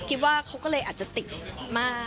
คิดว่าเขาก็เลยอาจจะติดมาก